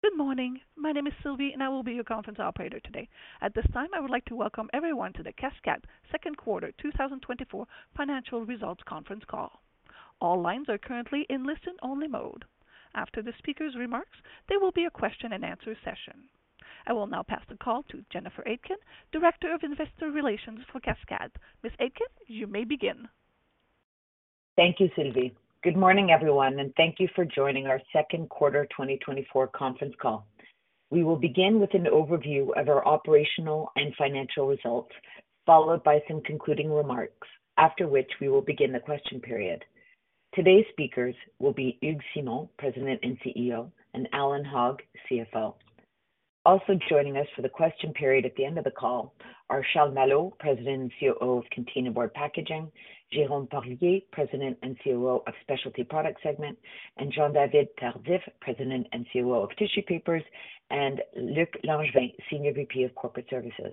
Good morning. My name is Sylvie, and I will be your conference operator today. At this time, I would like to welcome everyone to the Cascades Second Quarter 2024 Financial Results Conference Call. All lines are currently in listen-only mode. After the speaker's remarks, there will be a question-and-answer session. I will now pass the call to Jennifer Aitken, Director of Investor Relations for Cascades. Ms. Aitken, you may begin. Thank you, Sylvie. Good morning, everyone, and thank you for joining our Second Quarter 2024 Conference Call. We will begin with an overview of our operational and financial results, followed by some concluding remarks, after which we will begin the question period. Today's speakers will be Hugues Simon, President and CEO, and Allan Hogg, CFO. Also joining us for the question period at the end of the call are Charles Malo, President and COO of Containerboard Packaging, Jérôme Porlier, President and COO of Specialty Products segment, and Jean-David Tardif, President and COO of Tissue Papers, and Luc Langevin, Senior VP of Corporate Services.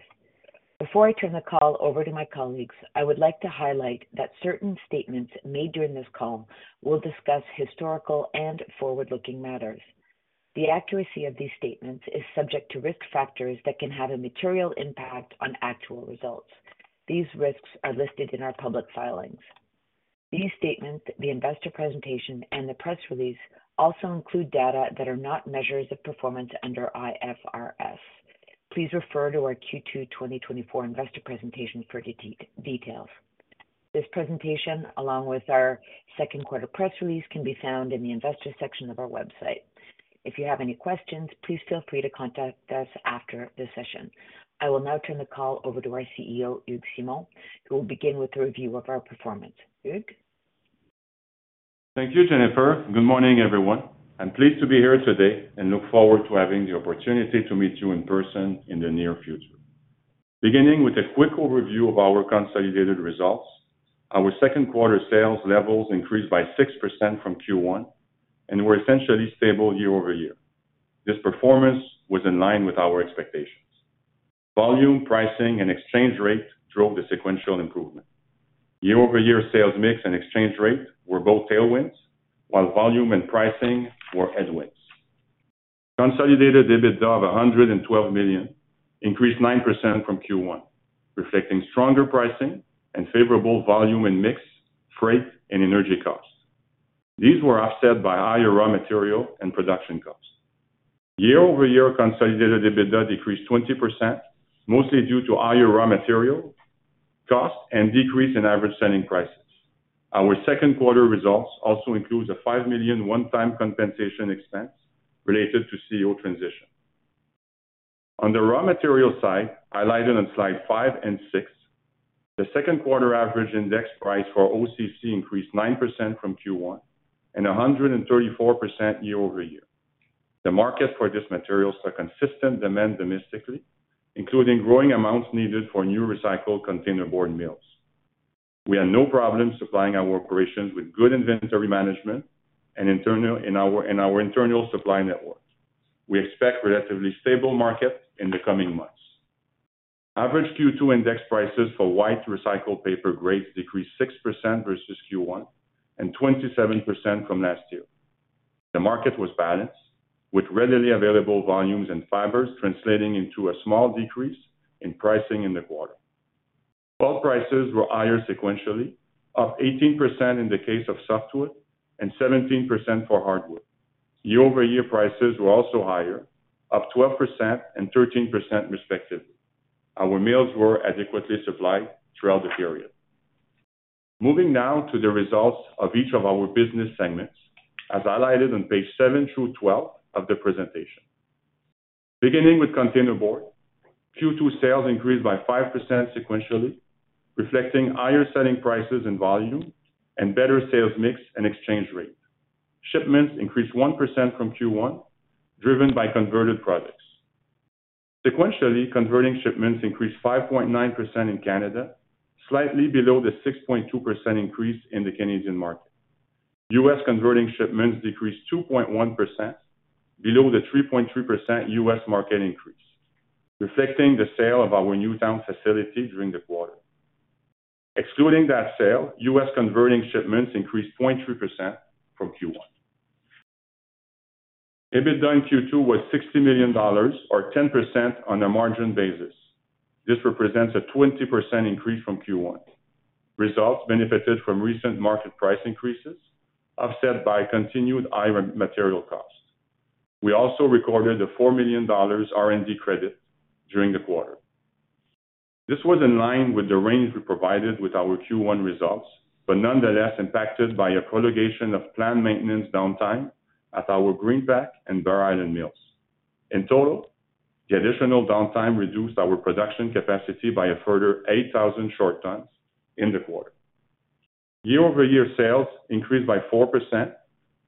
Before I turn the call over to my colleagues, I would like to highlight that certain statements made during this call will discuss historical and forward-looking matters. The accuracy of these statements is subject to risk factors that can have a material impact on actual results. These risks are listed in our public filings. These statements, the investor presentation, and the press release also include data that are not measures of performance under IFRS. Please refer to our Q2 2024 investor presentation for details. This presentation, along with our second quarter press release, can be found in the investor section of our website. If you have any questions, please feel free to contact us after the session. I will now turn the call over to our CEO, Hugues Simon, who will begin with a review of our performance. Hugues? Thank you, Jennifer. Good morning, everyone. I'm pleased to be here today and look forward to having the opportunity to meet you in person in the near future. Beginning with a quick overview of our consolidated results, our second quarter sales levels increased by 6% from Q1 and were essentially stable year-over-year. This performance was in line with our expectations. Volume, pricing, and exchange rate drove the sequential improvement. Year-over-year, sales mix and exchange rate were both tailwinds, while volume and pricing were headwinds. Consolidated EBITDA of 112 million increased 9% from Q1, reflecting stronger pricing and favorable volume and mix, freight, and energy costs. These were offset by higher raw material and production costs. Year-over-year, consolidated EBITDA decreased 20%, mostly due to higher raw material costs and decrease in average selling prices. Our second quarter results also includes a 5 million one-time compensation expense related to CEO transition. On the raw material side, highlighted on slide 5 and 6, the second quarter average index price for OCC increased 9% from Q1 and 134% year-over-year. The market for these materials saw consistent demand domestically, including growing amounts needed for new recycled containerboard mills. We have no problem supplying our operations with good inventory management and our internal supply network. We expect relatively stable market in the coming months. Average Q2 index prices for white recycled paper grades decreased 6% versus Q1 and 27% from last year. The market was balanced, with readily available volumes and fibers, translating into a small decrease in pricing in the quarter. Pulp prices were higher sequentially, up 18% in the case of softwood and 17% for hardwood. Year-over-year prices were also higher, up 12% and 13%, respectively. Our mills were adequately supplied throughout the period. Moving now to the results of each of our business segments, as highlighted on page 7 through 12 of the presentation. Beginning with containerboard, Q2 sales increased by 5% sequentially, reflecting higher selling prices and volume and better sales mix and exchange rate. Shipments increased 1% from Q1, driven by converted products. Sequentially, converting shipments increased 5.9% in Canada, slightly below the 6.2% increase in the Canadian market. U.S. converting shipments decreased 2.1%, below the 3.3% U.S. market increase, reflecting the sale of our Newtown facility during the quarter. Excluding that sale, U.S. converting shipments increased 0.3% from Q1. EBITDA in Q2 was $60 million or 10% on a margin basis. This represents a 20% increase from Q1. Results benefited from recent market price increases, offset by continued higher material costs. We also recorded a $4 million R&D credit during the quarter. This was in line with the range we provided with our Q1 results, but nonetheless impacted by a prolongation of planned maintenance downtime at our Greenpac and Bear Island mills. In total, the additional downtime reduced our production capacity by a further 8,000 short tons in the quarter. Year-over-year sales increased by 4%,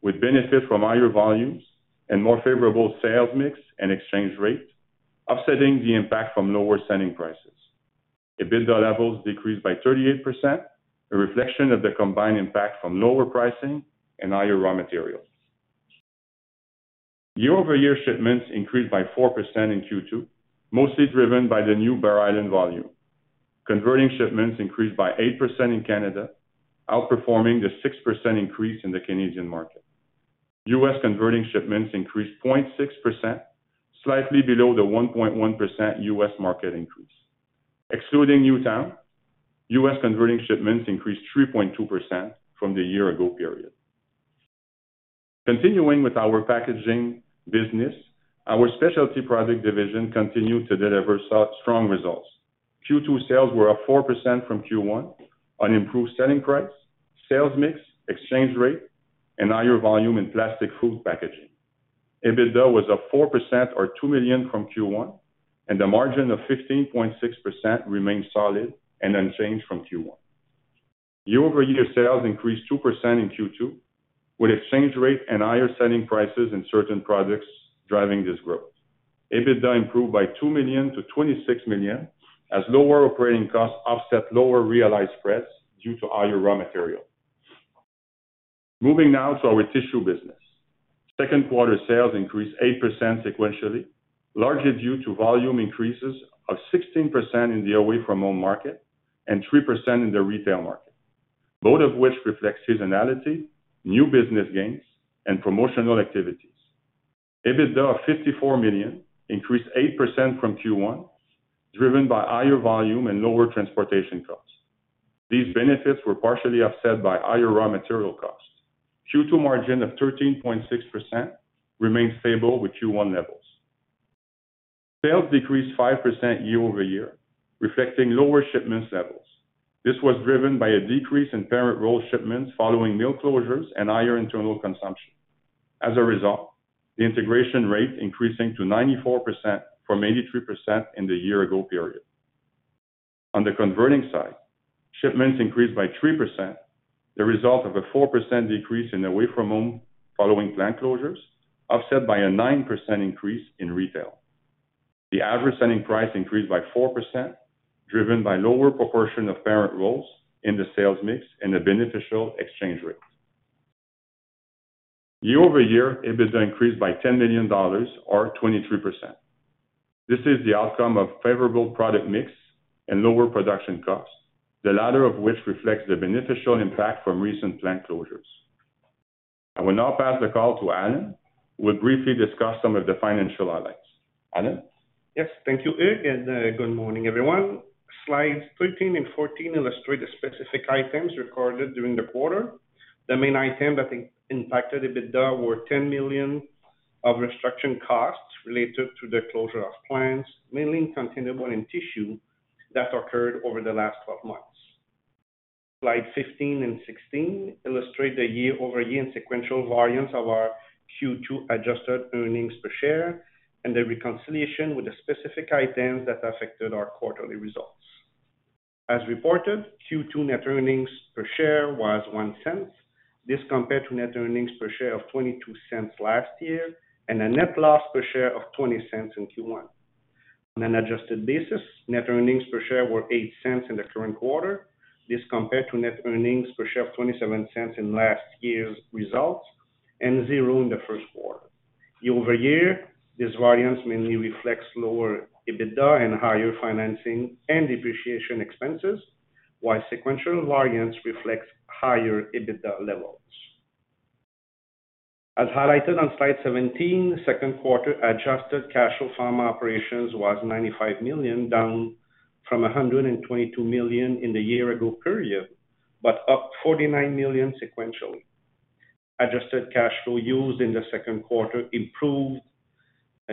with benefit from higher volumes and more favorable sales mix and exchange rate, offsetting the impact from lower selling prices. EBITDA levels decreased by 38%, a reflection of the combined impact from lower pricing and higher raw materials. Year-over-year shipments increased by 4% in Q2, mostly driven by the new Bear Island volume. Converting shipments increased by 8% in Canada, outperforming the 6% increase in the Canadian market. U.S. converting shipments increased 0.6%, slightly below the 1.1% U.S. market increase. Excluding Newtown, U.S. converting shipments increased 3.2% from the year ago period. Continuing with our packaging business, our specialty product division continued to deliver strong results. Q2 sales were up 4% from Q1 on improved selling price, sales mix, exchange rate, and higher volume in plastic food packaging. EBITDA was up 4% or 2 million from Q1, and the margin of 15.6% remained solid and unchanged from Q1. Year-over-year sales increased 2% in Q2, with exchange rate and higher selling prices in certain products driving this growth. EBITDA improved by 2 million to 26 million, as lower operating costs offset lower realized spreads due to higher raw material. Moving now to our tissue business. Second quarter sales increased 8% sequentially, largely due to volume increases of 16% in the away-from-home market and 3% in the retail market, both of which reflect seasonality, new business gains, and promotional activities. EBITDA of 54 million increased 8% from Q1, driven by higher volume and lower transportation costs. These benefits were partially offset by higher raw material costs. Q2 margin of 13.6% remained stable with Q1 levels. Sales decreased 5% year-over-year, reflecting lower shipments levels. This was driven by a decrease in parent roll shipments following mill closures and higher internal consumption. As a result, the integration rate increasing to 94% from 83% in the year-ago period. On the converting side, shipments increased by 3%, the result of a 4% decrease in away-from-home following plant closures, offset by a 9% increase in retail. The average selling price increased by 4%, driven by lower proportion of parent rolls in the sales mix and a beneficial exchange rate. Year-over-year, EBITDA increased by 10 million dollars or 23%. This is the outcome of favorable product mix and lower production costs, the latter of which reflects the beneficial impact from recent plant closures. I will now pass the call to Allan, who will briefly discuss some of the financial highlights. Allan? Yes, thank you, Hugues, and, good morning, everyone. Slides 13 and 14 illustrate the specific items recorded during the quarter. The main item that impacted EBITDA were 10 million of restructuring costs related to the closure of plants, mainly in containerboard and tissue, that occurred over the last 12 months. Slides 15 and 16 illustrate the year-over-year and sequential variance of our Q2 adjusted earnings per share and the reconciliation with the specific items that affected our quarterly results. As reported, Q2 net earnings per share was 0.01. This compared to net earnings per share of 0.22 last year, and a net loss per share of 0.20 in Q1. On an adjusted basis, net earnings per share were 0.08 in the current quarter. This compared to net earnings per share of 0.27 in last year's results and 0 in the first quarter. Year-over-year, this variance mainly reflects lower EBITDA and higher financing and depreciation expenses, while sequential variance reflects higher EBITDA levels. As highlighted on slide 17, second quarter adjusted cash flow from operations was 95 million, down from 122 million in the year ago period, but up 49 million sequentially. Adjusted cash flow used in the second quarter improved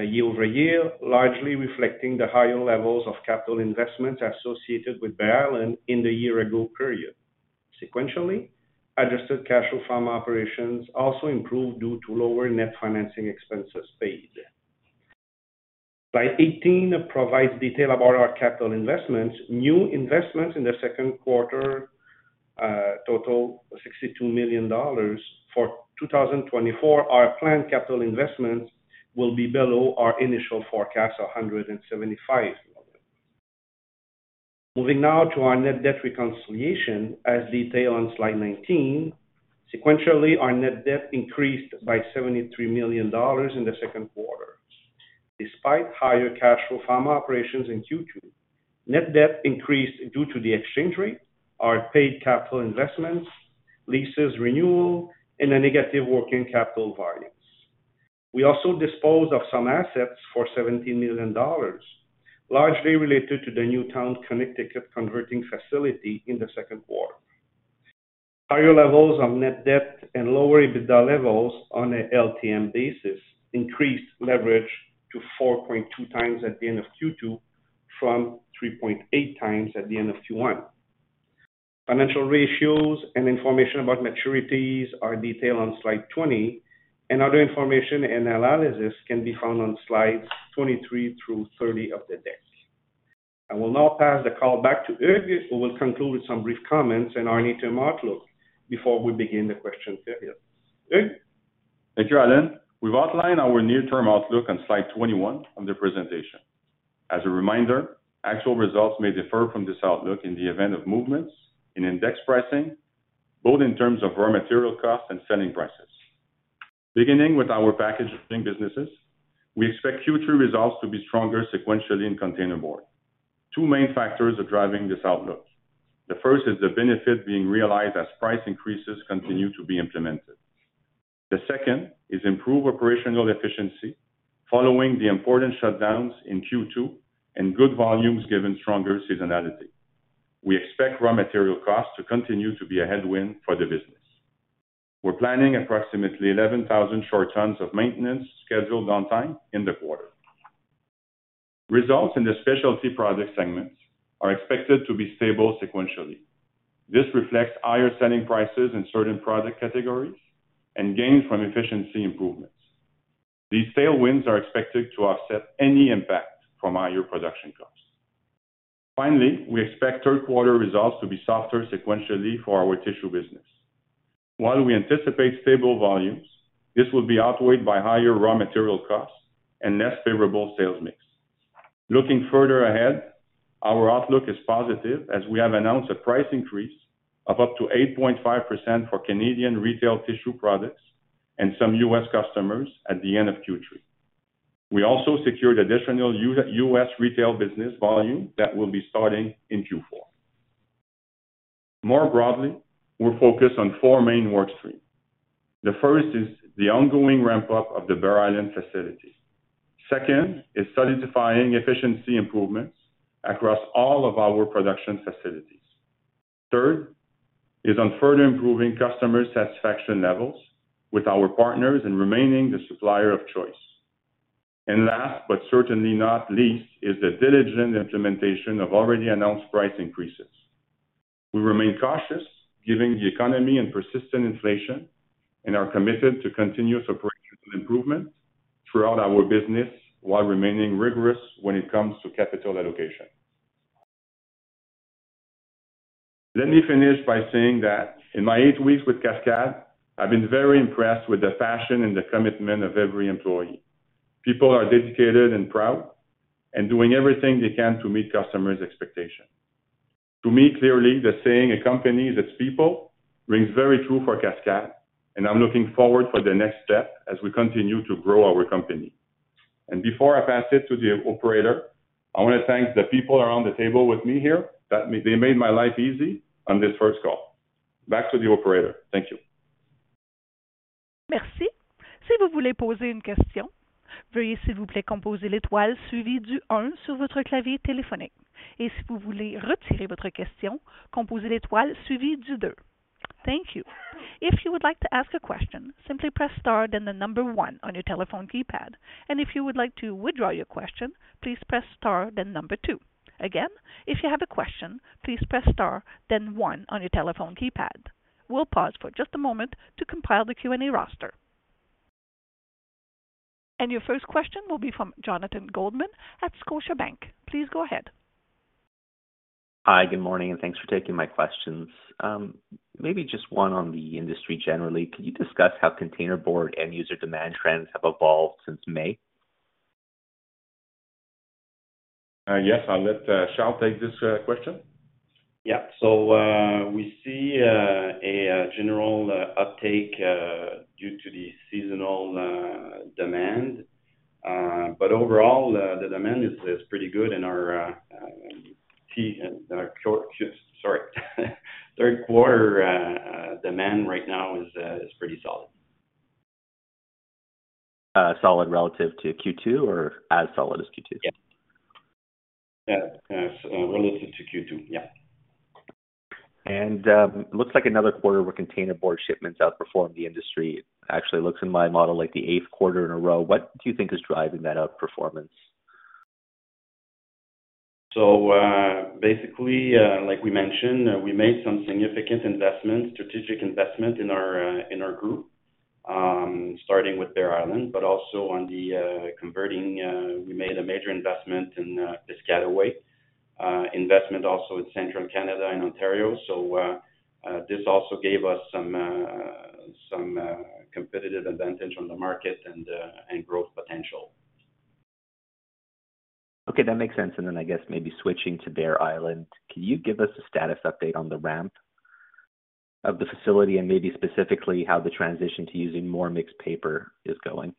year-over-year, largely reflecting the higher levels of capital investment associated with Bear Island in the year ago period. Sequentially, adjusted cash flow from operations also improved due to lower net financing expenses paid. Slide 18 provides detail about our capital investments. New investments in the second quarter total 62 million dollars. For 2024, our planned capital investments will be below our initial forecast of 175 million. Moving now to our net debt reconciliation, as detailed on slide 19. Sequentially, our net debt increased by 73 million dollars in the second quarter. Despite higher cash flow from operations in Q2, net debt increased due to the exchange rate, our paid capital investments, leases renewal, and a negative working capital variance. We also disposed of some assets for 17 million dollars, largely related to the Newtown, Connecticut, converting facility in the second quarter. Higher levels of net debt and lower EBITDA levels on an LTM basis increased leverage to 4.2 times at the end of Q2, from 3.8 times at the end of Q1. Financial ratios and information about maturities are detailed on slide 20, and other information and analysis can be found on slides 23 through 30 of the deck. I will now pass the call back to Hugues, who will conclude with some brief comments on our near-term outlook before we begin the question period. Hugues? Thank you, Allan. We've outlined our near-term outlook on slide 21 of the presentation. As a reminder, actual results may differ from this outlook in the event of movements in index pricing, both in terms of raw material costs and selling prices. Beginning with our packaging businesses, we expect Q2 results to be stronger sequentially in containerboard. Two main factors are driving this outlook. The first is the benefit being realized as price increases continue to be implemented. The second is improved operational efficiency following the important shutdowns in Q2 and good volumes given stronger seasonality. We expect raw material costs to continue to be a headwind for the business. We're planning approximately 11,000 short tons of maintenance scheduled downtime in the quarter. Results in the specialty products segment are expected to be stable sequentially. This reflects higher selling prices in certain product categories and gains from efficiency improvements. These tailwinds are expected to offset any impact from higher production costs. Finally, we expect third quarter results to be softer sequentially for our tissue business. While we anticipate stable volumes, this will be outweighed by higher raw material costs and less favorable sales mix. Looking further ahead, our outlook is positive, as we have announced a price increase of up to 8.5% for Canadian retail tissue products and some U.S. customers at the end of Q3. We also secured additional U.S. retail business volume that will be starting in Q4. More broadly, we're focused on four main work streams. The first is the ongoing ramp-up of the Bear Island facility. Second, is solidifying efficiency improvements across all of our production facilities. Third, is on further improving customer satisfaction levels with our partners and remaining the supplier of choice. And last, but certainly not least, is the diligent implementation of already announced price increases. We remain cautious given the economy and persistent inflation, and are committed to continuous operational improvement throughout our business, while remaining rigorous when it comes to capital allocation. Let me finish by saying that in my eight weeks with Cascades, I've been very impressed with the passion and the commitment of every employee. People are dedicated and proud and doing everything they can to meet customers' expectations. To me, clearly, the saying, "A company is its people," rings very true for Cascades, and I'm looking forward for the next step as we continue to grow our company. Before I pass it to the operator, I want to thank the people around the table with me here, that they made my life easy on this first call. Back to the operator. Thank you. Merci. Si vous voulez poser une question, veuillez s'il vous plaît composer l'étoile suivi du un sur votre clavier téléphonique. Et si vous voulez retirer votre question, composer l'étoile suivi du deux. Thank you. If you would like to ask a question, simply press star, then the number 1 on your telephone keypad, and if you would like to withdraw your question, please press star then number 2. Again, if you have a question, please press star, then 1 on your telephone keypad. We'll pause for just a moment to compile the Q&A roster. And your first question will be from Jonathan Goldman at Scotiabank. Please go ahead. Hi, good morning, and thanks for taking my questions. Maybe just one on the industry generally. Can you discuss how containerboard end user demand trends have evolved since May? Yes, I'll let Charles take this question. Yeah. So, we see a general uptake due to the seasonal demand. But overall, the demand is pretty good and our key short, sorry, third quarter demand right now is pretty solid. Solid relative to Q2 or as solid as Q2? Yeah. Yeah, as relative to Q2. Yeah. Looks like another quarter where containerboard shipments outperformed the industry. Actually, it looks in my model, like the eighth quarter in a row. What do you think is driving that outperformance? So, basically, like we mentioned, we made some significant investments, strategic investment in our group, starting with Bear Island, but also on the converting, we made a major investment in the Piscataway, investment also in central Canada and Ontario. So, this also gave us some competitive advantage on the market and growth potential. Okay, that makes sense. Then I guess maybe switching to Bear Island, can you give us a status update on the ramp of the facility and maybe specifically how the transition to using more mixed paper is going?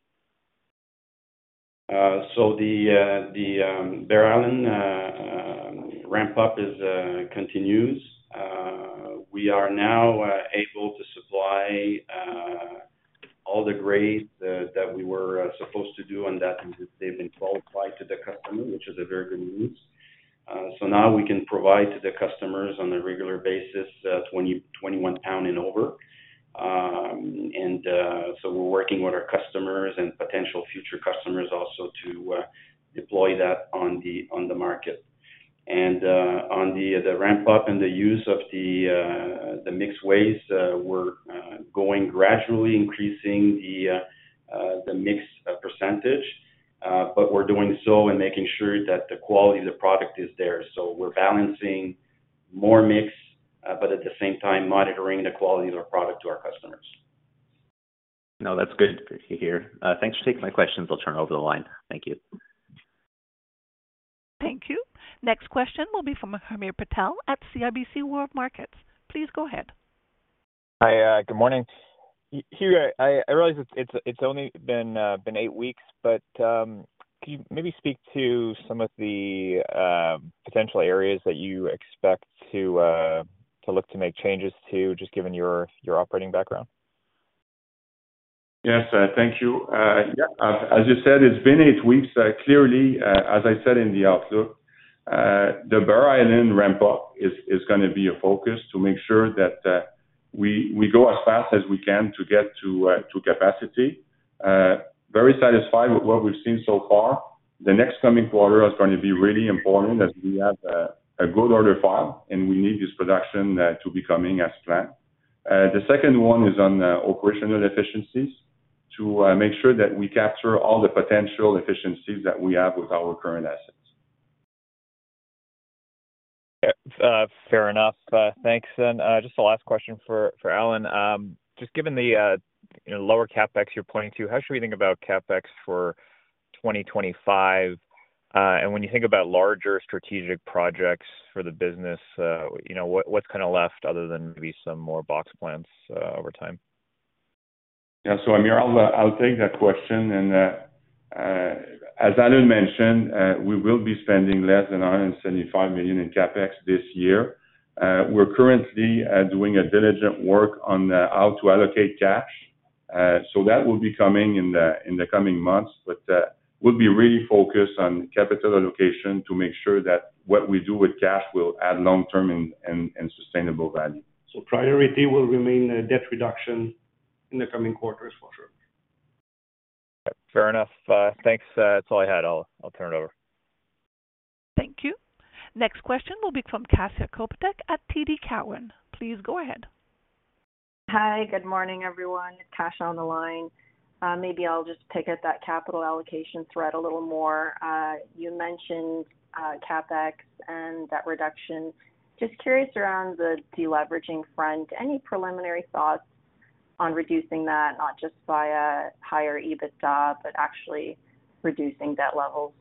So the Bear Island ramp-up continues. We are now able to supply all the grades that we were supposed to do and that they've been qualified to the customer, which is a very good news. So now we can provide to the customers on a regular basis 20, 21-pound and over. And so we're working with our customers and potential future customers also to deploy that on the market. And on the ramp-up and the use of the mixed waste, we're going gradually increasing the mixed percentage, but we're doing so and making sure that the quality of the product is there. So we're balancing more mix, but at the same time monitoring the quality of our product to our customers. No, that's good to hear. Thanks for taking my questions. I'll turn over the line. Thank you. Thank you. Next question will be from Hamir Patel at CIBC World Markets. Please go ahead. Hi, good morning. Hugues, I realize it's only been eight weeks, but can you maybe speak to some of the potential areas that you expect to look to make changes to, just given your operating background? Yes, thank you. Yeah, as you said, it's been eight weeks. Clearly, as I said in the outlook, the Bear Island ramp-up is gonna be a focus to make sure that we go as fast as we can to get to capacity. Very satisfied with what we've seen so far. The next coming quarter is going to be really important, as we have a good order file, and we need this production to be coming as planned. The second one is on operational efficiencies, to make sure that we capture all the potential efficiencies that we have with our current assets. Fair enough. Thanks. Just a last question for Allan. Just given the, you know, lower CapEx you're pointing to, how should we think about CapEx for 2025? And when you think about larger strategic projects for the business, you know, what, what's kinda left other than maybe some more box plants over time? Yeah, so Hamir, I'll take that question. As Allan mentioned, we will be spending less than 175 million in CapEx this year. We're currently doing due diligence on how to allocate cash. So that will be coming in the coming months, but we'll be really focused on capital allocation to make sure that what we do with cash will add long-term and sustainable value. Priority will remain debt reduction in the coming quarters, for sure. Fair enough. Thanks, that's all I had. I'll turn it over. Thank you. Next question will be from Kasia Kopytek at TD Cowen. Please go ahead. Hi, good morning, everyone, Kasia on the line. Maybe I'll just pick at that capital allocation thread a little more. You mentioned, CapEx and debt reduction. Just curious around the deleveraging front, any preliminary thoughts on reducing that, not just via higher EBITDA, but actually reducing debt levels?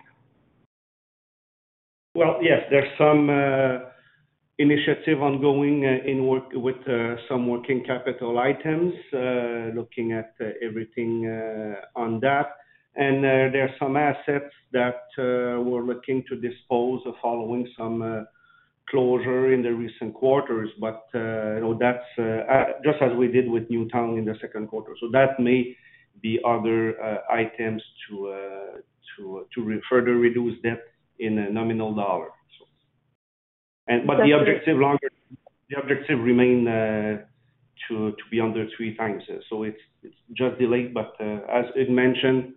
Well, yes, there's some initiative ongoing in work with some working capital items. Looking at everything on that. And there are some assets that we're looking to dispose of following some closure in the recent quarters. But you know, that's just as we did with Newtown in the second quarter. So that may be other items to further reduce debt in a nominal dollar. So... And but the objective longer, the objective remain to be under three times. So it's just delayed, but as I'd mentioned,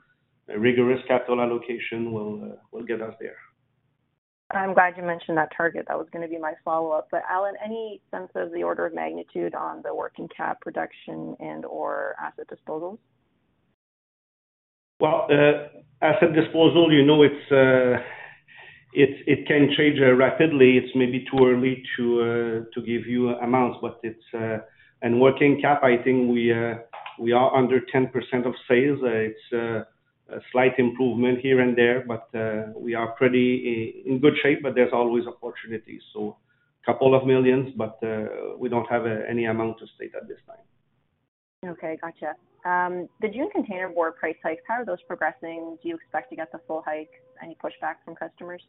a rigorous capital allocation will get us there. I'm glad you mentioned that target. That was gonna be my follow-up. But Allan, any sense of the order of magnitude on the working cap reduction and/or asset disposals? Well, asset disposal, you know, it's, it can change rapidly. It's maybe too early to give you amounts, but it's. And working cap, I think we are under 10% of sales. It's a slight improvement here and there, but we are pretty in good shape, but there's always opportunity. So couple of millions CAD, but we don't have any amount to state at this time. Okay, gotcha. The June containerboard price hikes, how are those progressing? Do you expect to get the full hike? Any pushback from customers?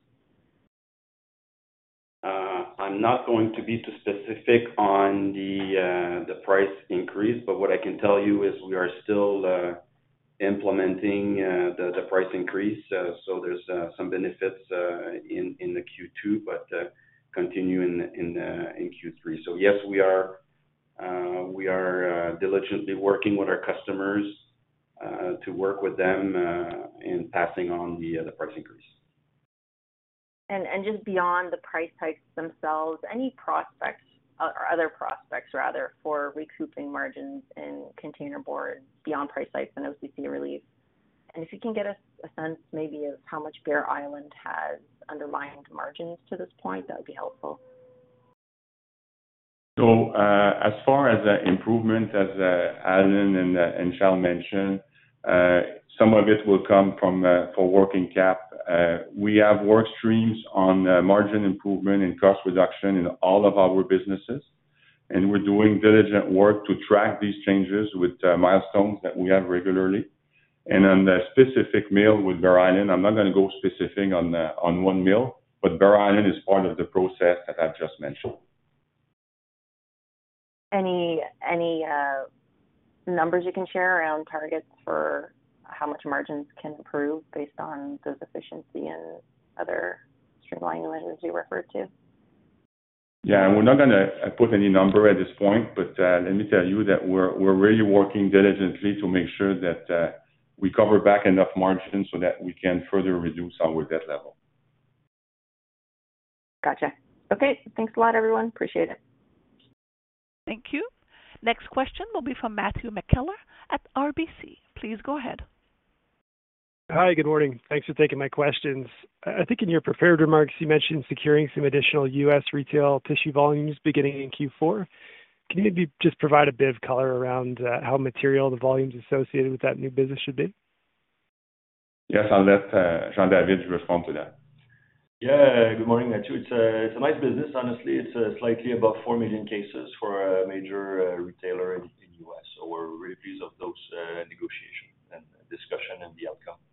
I'm not going to be too specific on the the price increase, but what I can tell you is we are still implementing the the price increase. So there's some benefits in in the Q2, but continue in the in the in Q3. So yes, we are we are diligently working with our customers to work with them in passing on the the price increase. And just beyond the price hikes themselves, any prospects or other prospects rather, for recouping margins in containerboard beyond price hikes and OCC relief? And if you can get us a sense, maybe of how much Bear Island has underlying margins to this point, that would be helpful. So, as far as the improvement, as Allan and Charles mentioned, some of it will come from for working cap. We have work streams on margin improvement and cost reduction in all of our businesses, and we're doing diligent work to track these changes with milestones that we have regularly. On the specific mill with Bear Island, I'm not gonna go specific on one mill, but Bear Island is part of the process that I've just mentioned. Any numbers you can share around targets for how much margins can improve based on those efficiency and other streamlining measures you referred to? Yeah, we're not gonna put any number at this point, but, let me tell you that we're really working diligently to make sure that we cover back enough margin so that we can further reduce our debt level. Gotcha. Okay, thanks a lot, everyone. Appreciate it. Thank you. Next question will be from Matthew McKellar at RBC. Please go ahead. Hi, good morning. Thanks for taking my questions. I think in your prepared remarks, you mentioned securing some additional U.S. retail tissue volumes beginning in Q4. Can you maybe just provide a bit of color around how material the volumes associated with that new business should be? Yes, I'll let Jean-David respond to that. Yeah, good morning, Matthew. It's a, it's a nice business. Honestly, it's slightly above 4 million cases for a major retailer in the U.S. So we're really pleased of those negotiation and discussion and the outcome. Okay,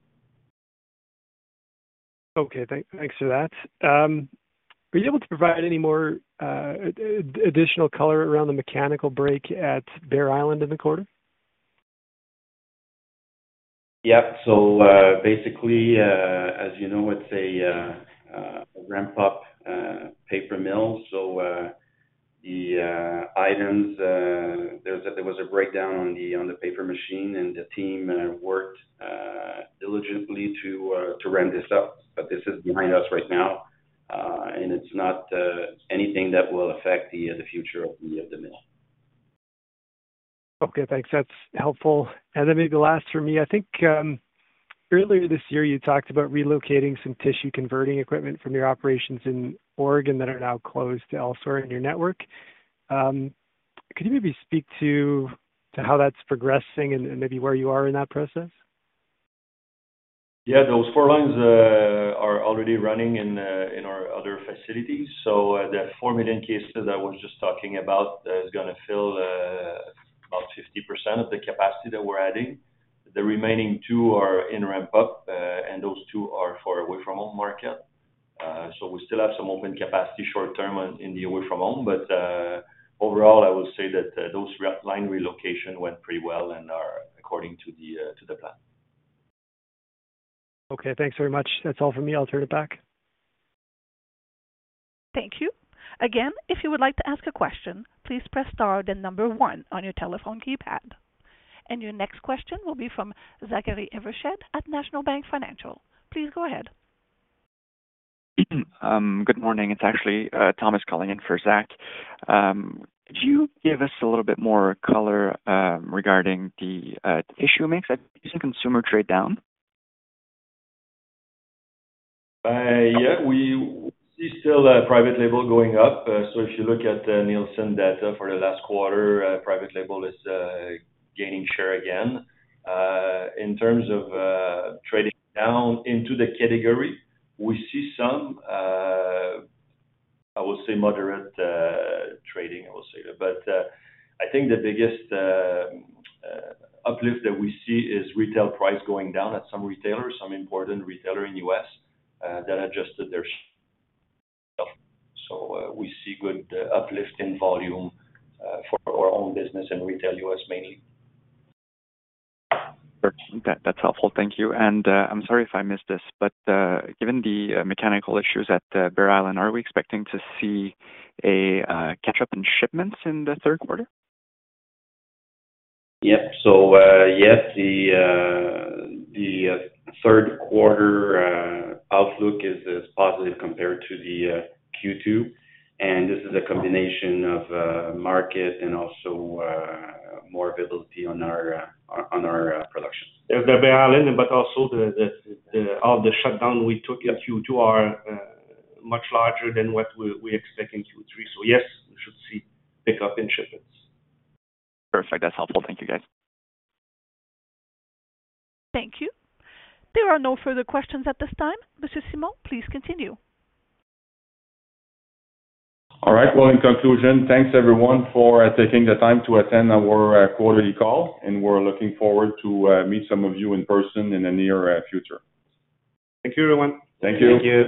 thanks for that. Were you able to provide any more additional color around the mechanical break at Bear Island in the quarter? Yeah. So, basically, as you know, it's a ramp-up paper mill. So, the items there was a breakdown on the paper machine, and the team worked diligently to ramp this up. But this is behind us right now, and it's not anything that will affect the future of the mill. Okay, thanks. That's helpful. And then maybe the last for me. I think, earlier this year, you talked about relocating some tissue converting equipment from your operations in Oregon that are now closed elsewhere in your network. Could you maybe speak to how that's progressing and maybe where you are in that process? Yeah. Those four lines are already running in in our other facilities. So the 4 million cases that I was just talking about is gonna fill about 50% of the capacity that we're adding. The remaining two are in ramp-up and those two are for away from home market. So we still have some open capacity short term in the away from home, but overall, I would say that those rep line relocation went pretty well and are according to the plan. Okay, thanks very much. That's all for me. I'll turn it back. Thank you. Again, if you would like to ask a question, please press star then number 1 on your telephone keypad. Your next question will be from Zachary Evershed at National Bank Financial. Please go ahead. Good morning. It's actually Thomas calling in for Zach. Could you give us a little bit more color regarding the tissue mix? Is the consumer trade down? Yeah, we see still private label going up. So if you look at Nielsen data for the last quarter, private label is gaining share again. In terms of trading down into the category, we see some, I would say, moderate trading, I would say. But I think the biggest uplift that we see is retail price going down at some retailers, some important retailer in U.S. that adjusted their... So we see good uplift in volume for our own business and retail U.S. mainly. Perfect. That, that's helpful. Thank you. And, I'm sorry if I missed this, but, given the mechanical issues at Bear Island, are we expecting to see a catch-up in shipments in the third quarter? Yep. So, yes, the third quarter outlook is positive compared to the Q2. And this is a combination of market and also more visibility on our production. The Bear Island, but also all the shutdown we took in Q2 are much larger than what we expect in Q3. So yes, we should see pickup in shipments. Perfect. That's helpful. Thank you, guys. Thank you. There are no further questions at this time. Hugues Simon, please continue. All right. Well, in conclusion, thanks, everyone, for taking the time to attend our quarterly call, and we're looking forward to meet some of you in person in the near future. Thank you, everyone. Thank you. Thank you.